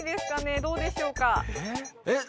どうでしょうか？